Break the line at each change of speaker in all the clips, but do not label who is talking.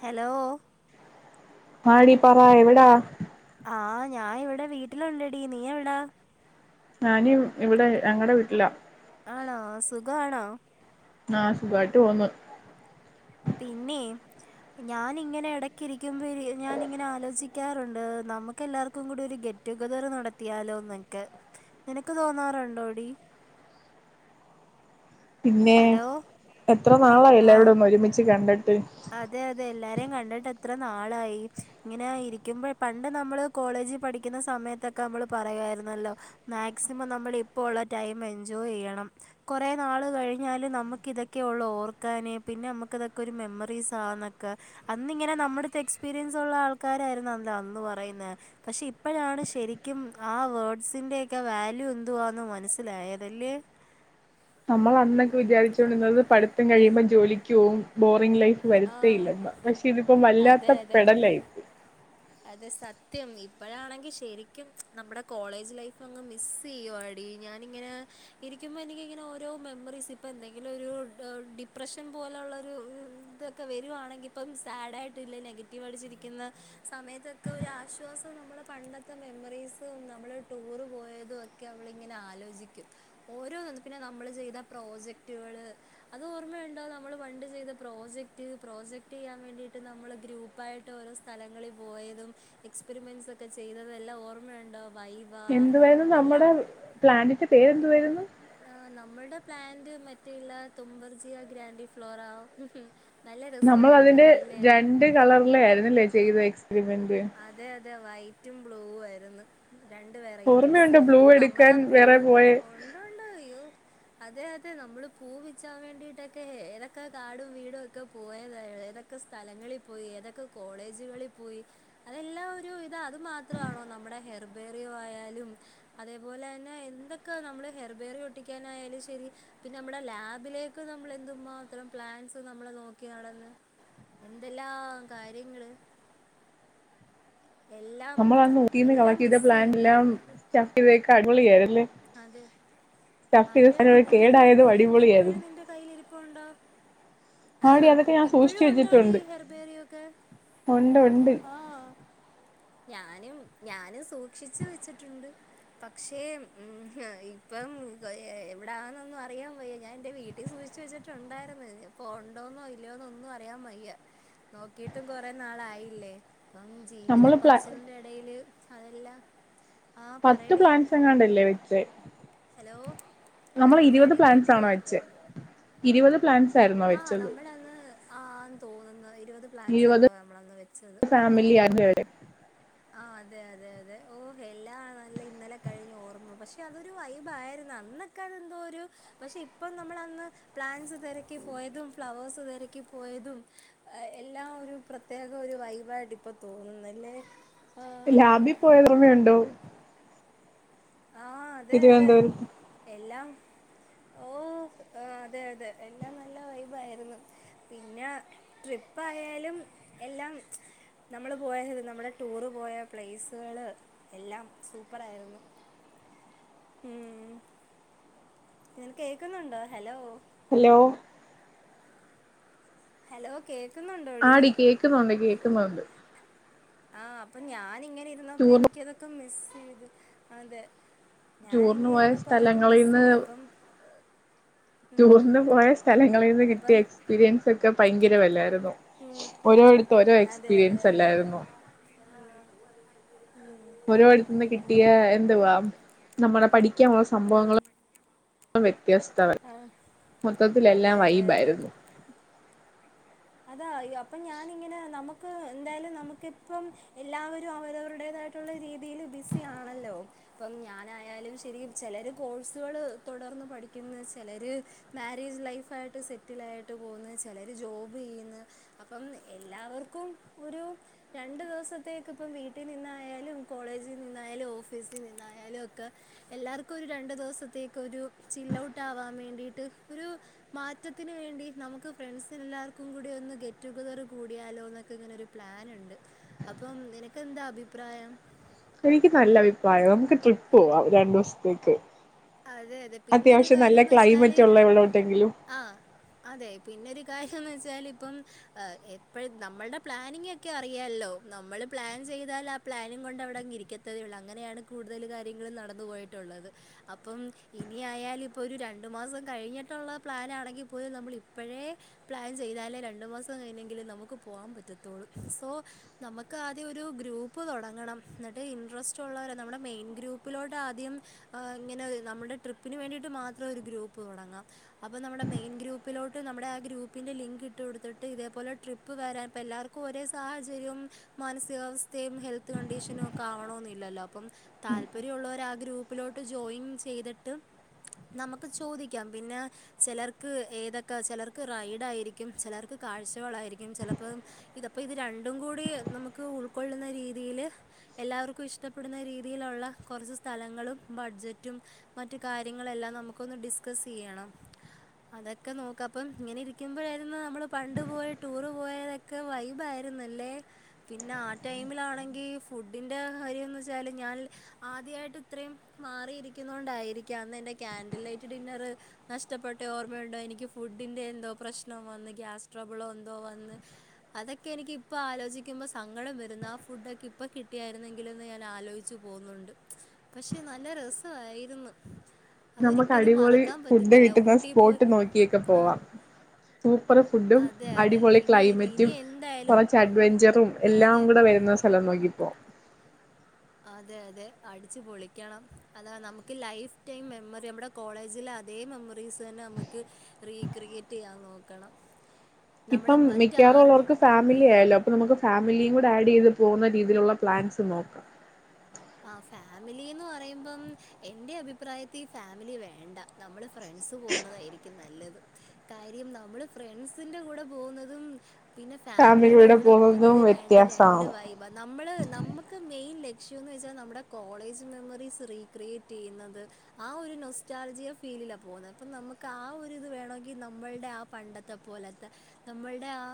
Hello
മാടി പറാ എവിടാ?
ആഹ് ഞാൻ ഇവിടെ വീട്ടിലുണ്ടടി, നീ എവിടാ?
ഞാന് ഇവിടെ ഞങ്ങടെ വീട്ടിലാ
ആണോ സുഖം ആണോ
ആഹ് സുഖായിട്ട് പോന്നു
പിന്നേ ഞാന് ഇങ്ങനെ ഇടക്ക്‌ ഇരിക്കുമ്പം ഞാൻ ഇങ്ങനെ ആലോചിക്കാറുണ്ട് നമുക്ക് എല്ലാർക്കും കൂടി ഒരു ഗെ ടുഗെതർ നടത്തിയാലോന്നെക്കെ നിനക്ക് തോന്നാറൊണ്ടോടി [inaudible]
പിന്നേ എത്ര
ആ
നാളായി
ആ
എല്ലാരൂടെ ഒന്ന് ഒരുമിച്ച് കണ്ട
അതെ അതെ എല്ലാരേം കണ്ടിട്ട് എത്ര നാളായി ഇങ്ങനെ ഇരിക്കുമ്പോ പണ്ട് നമ്മള് കോളേ ജില് പഠിക്കുന്ന സമയത്തൊക്കെ നമ്മൾ പറയുമായിരുന്നല്ലോ മാക്സിമം നമ്മൾ ഇപ്പോ ഉള്ള ടൈം എൻജോയ് ചെയ് ണം കൊറേ നാള് കഴിഞ്ഞാല് നമ്മക്ക്‌ ഇതൊക്കെ ഒള്ള് ഓർക്കാന് പിന്നെ ഇതൊക്കെ ഒരു മെ [inaudible] ക്കെ അന്നിങ്ങനെ നമ്മുടെത്തെ എക്സ്പീരിയൻസ് ഉള്ള ആൾക്കാരായിരുന്നല്ല അന്ന് പറയുന്നെ പക്ഷെ ഇപ്പോഴാണ് ശരിക്കും ആ വേഡ്സിന്റെറെയൊക്കെ വാല്യൂ എന്തുവാന്ന് മനസ്സിലായതല്ലേ [inaudible]
നമ്മൾ അന്നൊക്കെ വിചാരിച്ചുകൊണ്ടിരുന്നത് പഠിത്തം കഴിയുമ്പം ജോലിക്ക് പോവും ബോറിങ്ങ് ലൈഫ് നമുക്ക്
ആ
വരുത്തേ ഇല്ലെന്നാ പക്ഷെ ഇതിപ്പോ
അതെ
വല്ലാത്ത
അതെ
പെടലായി
അതെ സത്യം ഇപ്പഴാണെങ്കി ശരിക്കും നമ്മുടെ കോളേജ് ലൈഫ് അങ്ങ് മിസ് ചെയ്യുവാടി ഞാനിങ്ങനെ ഇരിക്കുമ്പം എനിക്ക് ഇങ്ങനെ ഓരോ മെമ്മറീസ് ഇപ്പം എന്തെങ്കിലും ഒരു ഡിപ്രഷൻ പോലെ പോലുള്ളൊര് ഇത് ഒക്കെ വരുവാണെങ്കിൽ ഇപ്പം സാഡായിട്ടില്ല നെഗറ്റീവ് അടിച്ചിരിക്കുന്ന സമയത്തൊക്കെ ഒരു ആശ്വാസം നമ്മ നമ്മടെ പണ്ടത്തെ മെമ്മറീസും നമ്മള് ടൂറ് പോയതും ഒക്കെ നമ്മള് ഇങ്ങനെ ആലോചിക്കും ഓരോ പിന്നെ നമ്മള് ചെയ്ത പ്രോജക്റ്റുകള് അത് ഓർമ്മയുണ്ടോ നമ്മൾ പണ്ട് ചെയ്ത പ്രോജക് പ്രോജക്ട് ചെയ്യാൻ വേണ്ടിയിട്ട് നമ്മള് ഗ്രൂപ്പ് ആയിട്ട് ഓരോ സ്ഥലങ്ങളിൽ പോയതും എക്സ്പിരിമെൻറ്സ് ഒ ക്കെ ചെയ്തത് എല്ലാം ഓർമ്മയുണ്ടോ വൈവ
എന്തുവാരുന്ന്
എല്ലാം
നമ്മുടെ പ്ലാനിന്റെ പേരെന്തുവായിരുന്നു
ആഹ് നമ്മടെ പ്ലാന്റ് മറ്റേ ഇല്ല തുമ്പർജിയ ഗ്രാൻഡി ഫ്ലോറ നല്ല
നമ്മൾ അതിന്റെ
രസമായിരുന്നല്ലോ അല്ലേ എന്നാ
രണ്ട് കളറിലെ ആയിരുന്നില്ലേ ചെയ്തെ എക്സ്പിരിമെന്റ്
അതെ അതെ വൈറ്റും ബ്ലൂ ആയിരുന്നു രണ്ട് വെറൈറ്റീസ്
ഓർമ്മയുണ്ടോ ബ്ലൂ
ഓ
എടുക്കാൻ
നമ്മളാ പൂ
വേറെ പോയെ
കൊണ്ടോണ്ട് അയ്യോ അതെ അതെ നമ്മള് പൂ പിച്ചാൻ വേണ്ടിട്ടൊക്കെ ഏതൊക്കെ കാടും വീടും ഒക്കെ പോയതാ ഏതൊ ഏതൊക്കെ സ്ഥലങ്ങളിൽ പോയി ഏതൊക്കെ കോളേജുകളിൽ പോയി അതെല്ലാം ഒരു പിന്നെ അത് മാത്രണോ നമ്മുടെ ഹെർബേറിയോ ആയാലും അതേപോലെ തന്നെ എന്തൊക്കെ നമ്മള് ഹെർബേറിയം ഒട്ടിക്കാനായാലും ശരി പിന്നെ നമ്മടെ ലാബിലേക്ക് നമ്മൾ എന്തും മാത്രം പ്ലാൻസ് നമ്മള് നോക്കി നടന്ന് എന്തെല്ലാം കാര്യങ്ങള് എല്ലാം
നമ്മള് അന്ന് ഊട്ടീന്ന്
എല്ലാം
കളക്ട് ചെയ്ത
മിസ്
പ്ലാന്റില്
ചെയ്യുന്നല്ലേ
സ്റ്റഫ് ചെയ്തെ ഒക്കെ അടിപൊളി ആരുന്നല്ലേ
അതെ അതെ അതെ
സാധനം
നിന്റെ
കേടായതും
ഹെർബേറിയം ഒക്കെ ഇപ്പഴും
അടിപൊളിയായിരുന്നു
നിന്റെ കയ്യിൽ ഇരിപ്പുണ്ടോ
ആടി അതൊക്കെ ഞാൻ
ഇപ്പഴും
സൂക്ഷിച്ചു
ഉണ്ടോടി
വെച്ചിട്ടുണ്ട്
ഹെർബേറിയം ഒക്കെ
ഉണ്ട് ഉണ്ട്
ഞാനും ഞാനും സൂക്ഷിച്ചു വെച്ചിട്ടുണ്ട് പക്ഷേ ഉം ഇപ്പം എവിടാന്നൊന്നും അറിയാൻ വയ്യ ഞാൻ എന്റെ വീട്ടിൽ സൂക്ഷിച്ച് വെച്ചിട്ടുണ്ടാരുന്നു ഇപ്പം ഉണ്ടോന്നോ ഇല്ലിയോന്നോ ഒന്നും അറിയാൻ വയ്യ നോക്കീട്ടും കൊറേ നാളായില്ലേ ഇപ്പം ജീവിത
നമ്മള് പ്ല
പാച്ചലിന്റെ ഇടയില് അതെല്ലാം ആ
പത്ത്
പറയടി
പ്ലാൻസങ്ങാണ്ടല്ലേ വെച്ചെ
ഹലോ ആ എന്താടി
പ്ലാൻസ്
കേട്ടില്ല
ആണോ വെച്ചേ ഇരുപത് പ്ലാന്റ്സ്
ആനമ്മളന്ന് ആന്ന് തോന്നുന്ന് ഇരുപത് പ്ലാൻസ്
ഇരുപത്
എന്തോ നമ്മളന്ന് വെച്ചത്
ഫാമിലി ആയിരുന്നു.
ആ അതെ അതെ അതെ ഓ എല്ലാം നല്ല ഇന്നലെ കഴിഞ്ഞ ഓർമ്മ പക്ഷെ അതൊരു വൈബായിരുന്നു അന്നൊക്കെ അതെന്തോരൂ ഒരു പക്ഷെ ഇപ്പം നമ്മ അന്ന് പ്ലാൻ സ് തെരക്കി പോയതും ഫ്ളവേഴ്സ് തെരക്കി പോയതും എല്ലാം ഒരു പ്രെ പ്രത്യേകം ഒരു വൈ ബായിട്ട് ഇപ്പ തോന്നുന്നല്ലേ? ആ
ലാബിൽ പോയതോർമ്മയുണ്ടോ?
ആ അതെ അതെ എല്ലാം ഓ അതെ അതെ എല്ലാം നല്ല വൈബ് ആയിരുന്നു പിന്നെ ട്രിപ്പായാലും എല്ല [unintelligible] നമ്മള് പോയത് നമ്മുടെ ടൂറ് പോയ പ്ലേസുകള് എല്ലാം സൂപ്പർ ആയിരുന്നു. ഉം നിനക്ക് കേക്കുന്നുണ്ടോ ഹലോ.
ഹലോ
ഹലോ കേ
ആടി കേൾക്കുന്നുണ്ട് കേക്കുന്നുണ്ട്.
ആ അപ്പൊ ഞാ നിങ്ങനെ ഇരുന്നപ്പ
ടൂറിന്
എനിക്കതൊക്കെ മിസ് ചെയ്ത് അതെ ഞാനിങ്ങനെ
ടൂറിനുപോയ
ഇരുന്നപ്പോൾ അതൊക്കെ മിസ്സ്
സ്ഥലങ്ങളീന്ന്.
ചെയ്തപ്പം ഉം
ടൂർന്ന് പോയ സ്ഥലങ്ങളിൽ നിന്ന് കിട്ടിയ
അപ്പം
എക്സ്പീരിയൻസ് ഒക്കെ ഭയങ്കര വല്ലായിരുന്നു.
ഉം ഉം
ഓരോടത്ത ഓരോ
അതെ അതെ അതെ
എക്സ്പീരിയൻസ്
അതെ
അല്ലായിരുന്നു. ഓരോടുത്തുന്ന്
ഉം
കിട്ടിയ എന്ത് വാ നമ്മളെ പഠി കാനുള്ള
ഉം
സംഭവങ്ങ വ്യത്യസ്ത
ആ അതെ
മൊത്തത്തിലെല്ലാം
അതെ
വൈബായിരുന്നു
അതായോ അപ്പൊ ഞാനിങ്ങനെ നമുക്ക് എന്തായാലും നമുക്കിപ്പം എല്ലാവരും അവരവരുടേത യിട്ട രീതിൽ ബിസി ആണല്ലോ അപ്പ ഞാനായാലും ശരി ചെലര്കോഴ്സുകൾ തുടർന്ന് പഠിക്കുന്നത് ചിലർ മാരേജ് ലൈഫായിട്ട് സെറ്റിൽ ആയിട്ട് പോകുന്നത് ചിലര് ജോ ചെയ്യുന്നു അപ്പം എല്ലാവർക്കും ഒരു രണ്ടു ദിവസത്തേക്ക് ഇപ്പം വീട്ടിൽ നിന്നായാലും. കോളേജിനിന്നായാലും ഓഫീസി നിന്നായാലും ഒകെ എല്ലാർകു ഒരു രണ്ട് ദിവസത്തേക്ക് ചിൽ ട്ടാവാൻ വേണ്ടിട്ട് ഒരു മാറ്റത്തിന് വേണ്ടി നമുക്ക് ഫ്രണ്ട്സിന എല്ലാവർക്കും. കൂടി ഒന്ന് ഗെറ്റ് ടുഗതർ കൂടിയാലോക്കെ ഇങ്ങനെ ഒരു പ്ലാനി ണ്ട് അപ്പൊ നിനക്കെന്താഭിപ്രയ? അഭിപ്രായം.
എനിക്ക് നല്ല അഭിപ്രായം നമുക്ക് ട്രിപ്പ് പോവാ രണ്ടു ദിവസത്തേക്ക്.
അതെ അതെ പിന്നെരു
അത്യാവശ്യം നല്ല
കാര്യംന്ന് വെച്ചാല്
ക്ലൈമറ്റ് ഉള്ള എവിടോട്ടെങ്കിലും
ആഹ അതെ പിന്നെരു കാര്യംന്ന് വെച്ചാൽ ഇപ്പം എപ്പഴ നമ്മളുടെ പ്ലാനിങ്ങൊക്കെ അറിയല്ലോ നമ്മള് പ്ലാൻ ചെയ്താൽ ആ പ്ലാനി കൊണ്ട് അവിടെങ്ങ് ഇരിക്കത്തതേ ഉള്ളൂ, അങ്ങനെയാണ് കൂടുതല് കാര്യങ്ങൾ നടന്നു പോയിട്ടുള്ളത്. ഇപ്പം ഇനിയായാല ഇപ്പൊ ഒരു രണ്ടു മാസം കഴിഞ്ഞിട്ടുള്ള പ്ലാനാണെങ്കിൽ പോലും നമ്മ ഇപ്പളേ പ്ലാൻ ചെയ്താലേ രണ്ടു മാസം കഴിഞ്ഞെങ്കിൽ നമുക്ക് പോവാൻ പറ്റത്തുള്ളൂ. സോ നമുക്ക് ആദ്യം ഒരു ഗ്രൂപ്പ് തൊടങ്ങണം. എന്നിട്ട് ഇൻട്രസ്റ്റ് ഉള്ളവരെ നമ്മുടെ മെയിൻ ഗ്രൂപ്പിലോട്ട് ആദ്യം ഇങ്ങനെ നമ്മുടെ ട്രിപ്പിന് വേണ്ടിയിട്ട് മാത്രം ഒരു ഗ്രൂപ്പ് തുടങ്ങാം. അപ്പം നമ്മുടെ മെയിൻ ഗ്രൂപ്പിലോട്ട് നമ്മുടെ ഗ്രൂപ്പിന്റെ ലിങ്ക് ഇട്ട് കൊടുത്തിട്ട് ഇതേ പോലെ ട്രിപ്പ് വരാൻ ഇപ്പോ എല്ലർക്കും ഒരേ സഹര്യവും മാനസിക സ്ഥയും ഹെൽത്ത് കണ്ടീഷനും ഒക്കെ ആവണോന്നില്ലല്ലോ, അപ്പം താല്പര്യമുള്ളവരെ ആ ഗ്രൂപ്പിലോട്ട് ജോയിൻ ചെയ്തിട്ട് നമുക്ക് ചോദിക്കാം. പിന്നെ ചിലർക്ക് ഏതൊക്കെ, ചിലർക്ക് റൈഡ് ആയിരിക്കും, ചിലർക്ക് കാഴ്ചകളായിരിക്കും ചിലപ്പോം ഇതപ്പോ ഇത് രണ്ടും കൂടി നമുക്ക് ഉൾക്കൊള്ളുന്ന രീതിയില് എല്ലാവർക്കും ഇഷ്ടപ്പെടുന്ന രീതിയിലുള്ള കുറച്ച് സ്ഥലങ്ങളും ബഡ്ജറ്റും മറ്റു കാര്യങ്ങളെല്ലാം നമുക്കൊന്ന് ഡിസ്കസ് ചെയ്യണം. അതൊക്കെ നോക്ക അപ്പം ഇങ്ങനെ ഇരിക്കുമ്പോഴായിരുന്നു നമ്മള് പണ്ട് പോയ ടൂറ് പോയതൊക്കെ വൈബ ആ ആയിരുന്നല്ലേ പിന്നെ ആ ടൈമിലാണെങ്കി ഫുഡിന്റെ കാര്യന്ന് വച്ചാൽ ഞാൻ ആ അദ്യയായിട്ട് ഇത്രയും മാറിയിരിക്കുന്നൊണ്ടായിരിക്കാം. അന്ന് എന്റെ കാൻഡൽ ലൈറ്റ് ഡിന്നറ് നഷ്ടപ്പെട്ട ഓർമ്മയുണ്ടോ എനിക്ക് ഫുഡ് ഫുഡിന്റെ എന്തോ പ്രശ്നം വന്ന് ഗ്യാസ്ട്രബിളോ എന്തോ വന്ന് അതൊക്കെ എനിക്ക് ഇപ്പോ ആലോചിക്കുമ്പോ സങ്കടം വരുന്ന് ആ ഫുഡൊക്കെ ഇപ്പം കിട്ടിയായിരുന്നെങ്കിലന്ന് ഞാൻ ആലോചിച്ചു പോകുന്നുണ്ട്. പക്ഷെ പക്ഷ നല്ല രസ ആയിരുന്നു.
നമുക്ക് അടിപൊളി ഫുഡ് കിട്ടുന്ന
ഊട്ടി പോയി
സ്പോട്ട് നോക്കിയൊക്കെ
ആ
പോവാം. സൂപ്പർ ഫുഡും
അതെ അതെ
അടിപൊളി
ഇനി ഇനി
ക്ലൈമറ്റും
എന്തായാലും
കുറച്ച് അട്വഞ്ചറും
അതെ
എല്ലാം കൂടെ എന്ന സ്ഥലം നോക്കിപ്പോവാം.
അതെ അതെ അടിച്ചു പൊളിക്കണം. അതാ നമുക്ക് ലൈഫ് ടൈം മെമ്മറി നമ്മുടെ കോളേജില അതേ മെമ്മറീസ് തന്നെ നമുക്ക് റീക്രിയേറ്റ് ചെയ്യാൻ നോക്കണം. നമ്മൾ
ഇപ്പം
മറ്റാരുടെ
മിക്കാറുള്ളോർക്ക്
ആ
ഫാമിലി ആയാലോ അപ്പൊ നമുക്ക് ഫാമിലിയും കൂടെ ആഡ് ചെയ്ത് പോകുന്ന രീതിയിലുള്ള പ്ലാൻസ് നോക്കാം.
ആ ഫാമിലിന്ന് പറയുമ്പം എന്റെ അഭിപ്രായത്തി ഈ ഫാമിലി വേണ്ട. നമ്മള് ഫ്രണ്ട്സ് പോകുന്നതായിരിക്കും നല്ലത്. കാര്യം നമ്മള് ഫ്രണ്ട്സിന്റെ കൂടെ പോകുന്നതും പിന്നെ ഫാമിലിയുടെ കൂടെ
പോകുന്നതും
പോകുന്നത് രണ്ട് രണ്ട്
വ്യത്യാസമാണ്
വൈബ. നമ്മള് നമുക്ക് മെയിൻ യൊന്നു വെച്ച നമ്മുടെ കോളേജ് മെമ്മറിസ് റീക്രിയറ്റ് ചെയ്യുന്നത് ആ ഒരു നൊസ്റ്റാൾജിയ ഫീലിലാ പോവുന്നെ അപ്പ നമുക്ക് ആ ഒരിത് വേണോങ്കി നമ്മളുടെ ആ പണ്ടത്തെ പോലത്തെ നമ്മളടെ ആ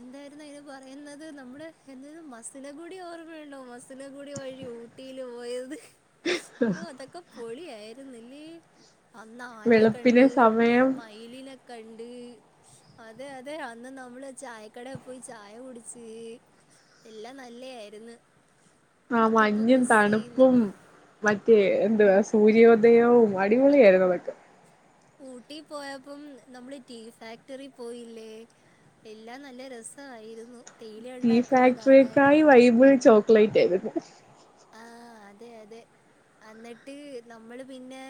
എന്തായിരുന്നു അതിന് പറയുന്നത് നമ്മള് എന്തായ മസിനകൂടി ഓർമ്മയണ്ടോ മസിന കൂടി വഴി ഊട്ടിയില് പോയത് അതൊക്കെ പൊളിയായിരിന്നില്ലേ. അന്ന് ആനയെ കണ്ട്
വെളുപ്പിനെ സമയം
മൈലിനെ കണ്ട്, അതെ അതെ അന്ന് നമ്മള് ചായക്കട പോയി ചായ കുടിച്ച്. എല്ലാം നല്ല ആയിര്ന്ന്.
ആഹ് മഞ്ഞും തണുപ്പും മറ്റേ എന്തുവാ സൂര്യോദയവും അടിപൊളി ആയിരുന്നു അതൊക്കെ.
ഊട്ടി പോയപ്പം നമ്മള് ടീ ഫാക്ടറി പോയില്ലേ. എല്ലാം നല്ല രസആയിരുന്നു.
ടീ ഫാക്ടറക്കായി വൈബ് ചോക്ലേറ്റ് ആയിരുന്നു.
ആഹ് അതെ അതെ. അന്നിട്ട് നമ്മള് പിന്നെ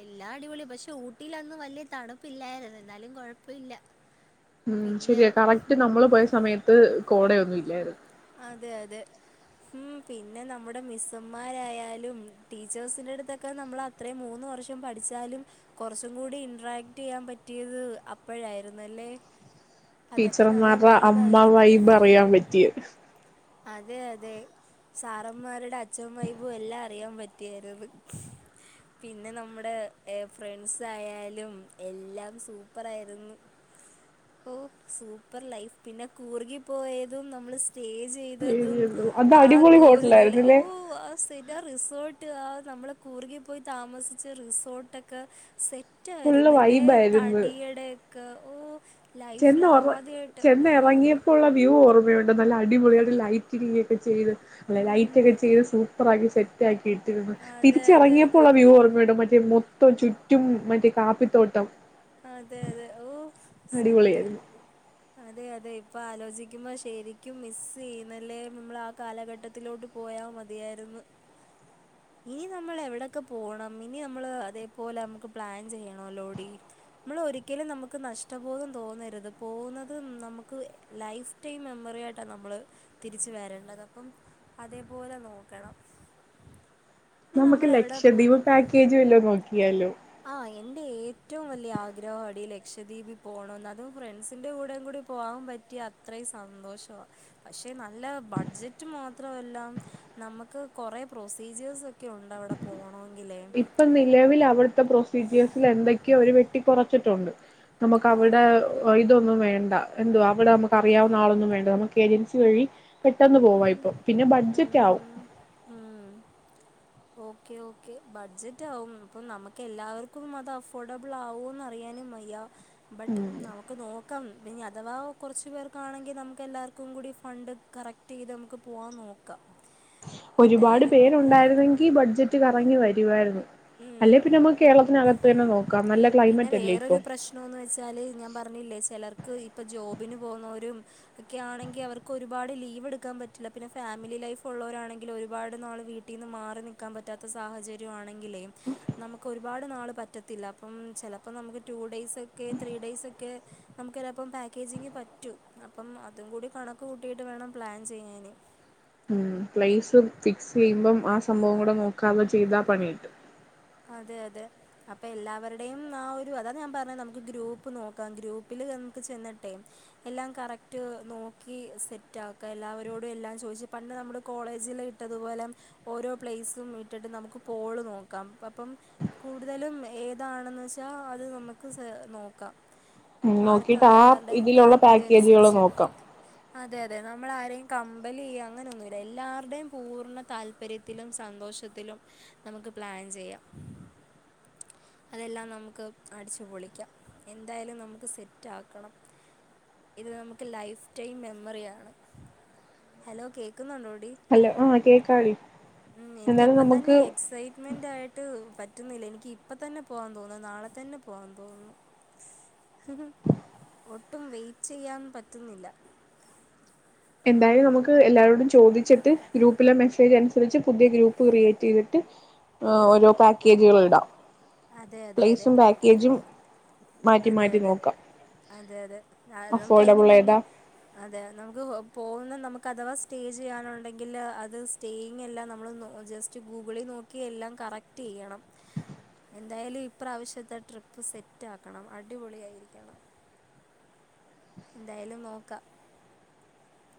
എല്ലാ അടിപൊളിയ, പക്ഷെ ഊട്ടിയിലന്ന്‌ വലിയ തണുപ്പില്ലാ യിരുന്നു. എന്നാലും കുഴപ്പ ഇല്ല.
ഉം ശരിയ കറക്റ്റ് നമ്മള് പോയ സമയത്ത് കോടയൊന്നും ഇല്ലായിരുന്നു.
അതെ അതെ. ഉം പിന്നെ നമ്മുടെ മിസ്സന്മാരായാലും ടീച്ചേഴ്സിന്റെ അടുത്തൊക്കെ നമ്മള അത്രയും മൂന്ന് വർഷം പഠിച്ചാലും കുറച്ചും കൂടി ഇന്റ്രാക്ട് ചെയ്യാൻ പറ്റിയത് അപ്പോഴായിരുന്നു അല്ലേ.
ടീച്ചർമാരുടെ അമ്മ വൈബ് അറിയാൻ പറ്റിയത്
അതെ അതെ. സാറന്മാരുടെ അച്ഛൻ വൈബൂ എല്ലാം അറിയാൻ പറ്റിയായിരുന്നു. പിന്നെ നമ്മുടെ ഏഹ് ഫ്രണ്ട്സ് ആയാലും എല്ലാം സൂപ്പർ ആയിരുന്നു. ഓ സൂപ്പർ ലൈഫ്. പിന്നെ കൂർകി പോയതും നമ്മള് സ്റ്റേ ചെയ്തതും
അത്
ആ
അടിപൊളി
കൂർകില
ഹോട്ടലായിരുന്നില്ലേ
ഓഹ് ആഹ് [unintelligible] റിസോർട്ട് ആഹ് നമ്മള് കൂർകി പോയി താമസിച്ച റിസോർട്ടൊക്കെ സെ
ഫുള്ള്
റ്റായിരുന്നില്ലേ
വൈബായിരുന്നു
തടിയടെക്കെ ഓ
ചെന്ന ഒറ ചെന്ന എറങ്ങിയപ്പോ ഉള്ള വ്യൂ ഓർ മ്മയുണ്ടോ നല്ല അടിപൊളിയായിട്ട് ലൈറ്റിങ്ങിലിക്കെ ചെയ്ത് അല്ല
ഉം.
ലൈറ്റക്കെ ചെയ്ത് സൂ പ്പറാക്കി സെറ്റാക്കിഇട്ടിരുന്നു.
അതെ, അതെ,
തിരിച്ചെറങ്ങിയപ്പോ
അതെ.
ഒള്ള വ്യൂ ഓർമ്മണ്ടോ മറ്റേ മു തോം ചുറ്റും മറ്റേ കാപ്പിത്തോട്ടം.
അതെ അതെ ഓഹ് സെറ്റ്
അടിപൊളിയായിരുന്നു
അതെ അതെ. അതെ ഇപ്പ ആലോചിക്കുമ്പോ ശെരിക്കും മിസ്സ് ചെയ്യുന്നല്ലേ. നമ്മളാ കാലഘട്ടത്തിലോട്ട് പോയാ മതിയ യെര്ന്ന്. ഇനി നമ്മൾ എവിടെയൊക്കെ പോണം ഇനി നമ്മള് അതേപോലെ നമുക്ക് പ്ലാൻ ചെയ്യണോല്ലോടി. നമ്മൾ ഒരിക്കലും നമുക്ക് നഷ്ടബോധം തോന്നരുത് പോവുന്നത് നമുക്ക് ലൈഫ് ടൈം മെമ്മറി യായിട്ട നമ്മള് തിരിച്ച് വരേണ്ടത് അപ്പം അതേപോലെ നോക്കണം. ഇനി
നമുക്ക്
നമ്മൾ എവിടെ
ലക്ഷദ്വീപ് പാക്കേജ് വല്ലോ നോക്കിയാലോ?
ആഹ് എന്റെ ഏറ്റവും വലിയ ആഗ്രഹാടി ലക്ഷദ്വീപ് പോണംന്ന് അതും ഫ്രണ്ട്സിന്റെ കൂടേം കൂടി ഇക്ക് പോവാൻപറ്റിയ അത്രേ സന്തോഷവാ. പക്ഷെ നല്ല ബഡ്ജറ്റ് മാത്രമല്ലാം നമ്മക്ക് കൊറേ പ്രൊസീജിയേഴ്സ്ക്കെ ഉണ്ട് അവിടെ പോണോ
ഇപ്പം നിലവില് അവിട്ത്തെ പ്രൊസീജിയേഴ്സില് എന്തൊക്കെയോ ഓര് വെട്ടി കുറച്ചിട്ടുണ്ട്. നമ്മക്ക് അവിടെ
ആണോ
ഓയ് ഇതൊന്നും വേ ണ്ട. എന്തുവാ അവിടെ നമക്ക് അറിയാവുന്ന ആളൊന്നും വേണ്ട നമുക്ക് ഏജൻസി വഴി പെട്ടെന്ന് പോവാ
ഉം
ഇപ്പൊ പിന്നെ
ഉം
ബഡ്ജറ്റ് ആവും.
ഉം ഉം ഓക്കെ ഓക്കെ ബഡ്ജറ്റ് ആകും അപ്പൊ നമുക്ക് എല്ലാവർക്കും അത് അഫോർഡബിൾ ആകോന്ന് അറിയാനും വയ്യ ബട്ട്
ഉം
നമുക്ക് നോക്കാം പിന്നെ അഥവാ കുറച്ച് പേർക്കാണെങ്കി നമുക്ക് എല്ലാവർക്കും കൂടി ഫണ്ട് കറക്റ്റ് ചെയ്ത് നമുക്ക് പോവാൻ നോക്കാം
ഒരുപാട്
എന്തായാലും
പേരുണ്ടായിരുന്നെങ്കി ബഡ്ജറ്റ് കറങ്ങി വരുവായിരുന്നു അല്ലെ
ഉം
പിന്നെ നമ്മുക്ക് കേരളത്തിനകത്ത് തന്നെ നോക്കാം നല്ല
പിന്നെ
ക്ലൈമറ്റ് അല്ലേ ഇപ്പൊ
വേറൊരു പ്രശ്നംന്ന് വെച്ചാല് ഞാൻ പറഞ്ഞില്ലേ ചിലർക്ക് ഇപ്പൊ ജോബിന് പോകുന്ന ഒരുഒക്കെ ആണെങ്കിൽ അവർക്ക് ഒരുപാട് ലീവ് എടുക്കാൻ പറ്റില്ല പിന്നെ ഫാമിലി ലൈഫ് ഉള്ളവരാണെങ്കിൽ ഒരുപാട് ഇവ്ട്‌ നാള് വീട്ടിന്ന് മാറി നിൽക്കാൻ പറ്റാത്ത സാഹചര്യം ആണെങ്കിലേും നമുക്ക് ഒരുപാട് നാൾ പറ്റത്തില്ല മ്മ്ചിലപ്പോം നമുക്ക് ടു ഡെയയ്സ ഒക്കെ ത്രീ ഡെയയ്സ ഒക്കെ നമുക്ക് ചിലപ്പം പാക്കേജിങ്ങ് പറ്റും അപ്പം അതും കൂടി കണക്ക് കൂട്ടിട്ട് വേണം പ്ലാൻ ചെയ്യാന്
ഉം പ്ലേസ് ഫിക്സ് ചെയ്യുമ്പം ആ സംഭവം കൂടെ നോക്കാതെ ചെയ്താ പണി കിട്ടും
അതെ അതെ അപ്പൊ എല്ലാവരുടെയും ആ ഒരു അതാ ഞാൻ പറഞ്ഞത് നമുക്ക് ഗ്രൂപ്പ് നോക്കാം ഗ്രൂപ്പിൽ ത് നമ്മുക്ക്ചന്നിട്ട്എല്ലാം കറക്റ്റ് നോക്കി സെറ്റ് ക്കാംഎല്ലാവരോടും എല്ലാം ചോയിച്ച് പണ്ട് നമ്മുടെ കോളേജിൽ ഇട്ടതുപോലെ ഓരോ പ്ലേയ്സും ഇട്ടിട്ട് നമുക്ക് പോള് നോക്കാം അപ്പം കൂടുതലും ഏതാണെന്ന് വെച്ചാ അത് നമുക്ക് സെ നോക്കാം
ഉം
ആർക്കാ
നോക്കിട്ട് ആഹ്
എല്ലാവരുടെയും
ഇതിലുള്ള
താല്പര്യം
പാക്കേജുകൾ
അനുസരിച്ച്.
നോക്കാം
അതെ അതെ നമ്മൾ ആരെയും കമ്പല്യ്യ അങ്ങനെയൊന്നുമല്ല എല്ലാവരുടെയും പൂർണ്ണ താല്പര്യത്തിലും സന്തോ ശത്തിലും നമ്മുക്ക് പ്ലാൻ ചെയ്യാം അതെല്ലാം നമുക്ക് അടിച്ചു പൊളിക്കാം എന്തായാലും നമുക്ക് സെറ്റ ആക്കണം ഇത് നമുക്ക് ലൈഫ് ടൈം മെമ്മറിയാണ് ഹലോ കേക്കുന്നുണ്ടോ
ഹലോ ആഹ് കേക്കാളി
ഉം എനിക്ക് ഇപ്പ തന്നെ എക്സൈറ്റ്മെന്റ് ആയിട്ട് പറ്റുന്നില്ല എനിക്ക് ഇപ്പ തന്നെ പോവാാൻ തോന്നുന്നു നാളെ തന്നെ പോവാൻ തോന്നുന്നു ഒട്ടും വെറ്റ് ചെയ്യാൻ പറ്റുന്നില്ല
എന്തായാലും നമുക്ക് എല്ലാരോടും ചോദിച്ചിട്ട് ഗ്രൂപ്പിലെ മെസ്സേജ് അനുസരിച്ച് പുതിയ ഗ്രൂപ്പ് ക്രിയേറ്റ് ചെയ്തിട്ട്
ആ
ഓരോ പാക്കേജുകൾ ഇടാം
അതെ അതെ അതെ
പ്ലേസും പാക്കേജും മാറ്റി
അതെ
മാറ്റി
അതെ
നോക്കാം
അതെ അതെ നമുക്ക് അതിന്
അഫോർഡബിൾ
മുന്നേ
ഏതാ
അതെ നമുക്ക് പോകുന്ന നമുക്ക് അഥവാ സ്റ്റേ ചെയ്യാനണ്ടെങ്കിൽ അത് സ്റ്റേയിങ് എല്ലാം നമ്മൾ ജസ്റ്റ് ഗൂഗിളിൽ നോക്കി എല്ലാം കറക്റ്റ് ചെയ്യണം എന്തായാലും ഇപ്രാവശ്യത്തെ ട്രിപ്പ് സെറ്റ ആക്കണം അടിപൊളിയായിരിക്കണം എന്തായാലും നോക്കാം